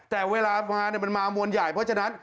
แต่เวลามามันมามวลใหญ่เพราะฉะนั้น